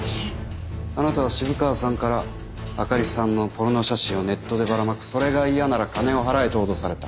あなたは渋川さんから灯里さんのポルノ写真をネットでばらまくそれが嫌なら金を払えと脅された。